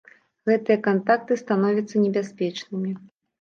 Гэтыя кантакты становяцца небяспечнымі.